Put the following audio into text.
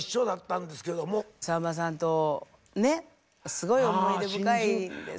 さんまさんとねすごい思い出深いです。